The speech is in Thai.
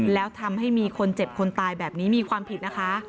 แล้วทำให้มีคนเจ็บคนตายแบบนี้มีความผิดนะคะ